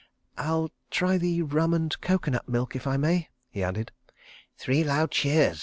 "I'll try the rum and coco nut milk if I may," he added. "Three loud cheers!"